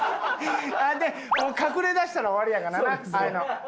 隠れだしたら終わりやからなああいうの。